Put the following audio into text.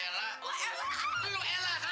masya allah ella